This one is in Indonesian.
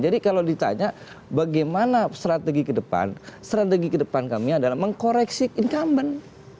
jadi kalau ditanya bagaimana strategi ke depan strategi ke depan kami adalah mengkoreksi incumbent